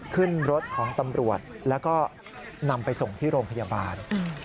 ขึ้นรถของตำรวจแล้วก็นำไปส่งที่โรงพยาบาล